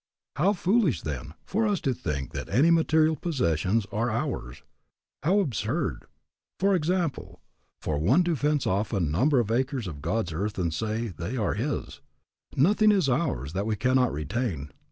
How foolish, then, for us to think that any material possessions are ours. How absurd, for example, for one to fence off a number of acres of God's earth and say they are his. Nothing is ours that we cannot retain.